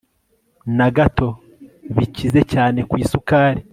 na gato bikize cyane ku isukari